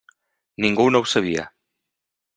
Ningú no ho sabia.